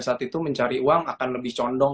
saat itu mencari uang akan lebih condong